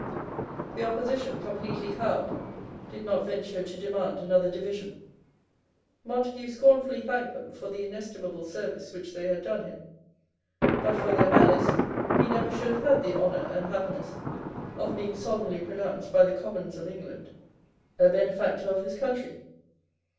The Opposition, completely cowed, did not venture to demand another division. Montague scornfully thanked them for the inestimable service which they had done him. But for their malice he never should have had the honour and happiness of being solemnly pronounced by the Commons of England a benefactor of his country.